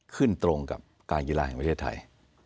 ขึ้นตรงกับการกีฬาแห่งประเทศไทย